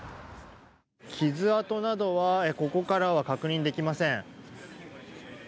傷痕などはここからは確認できません。